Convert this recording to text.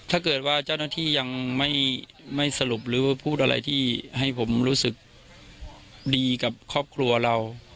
ถ้าเกิดว่าเจ้าหน้าที่ยังไม่สรุปหรือว่าพูดอะไรที่ให้ผมรู้สึกดีกับครอบครัวเรา